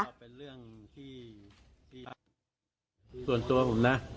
เป็นเรื่องที่พี่พระส่วนตัวผมนะ